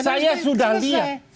saya sudah lihat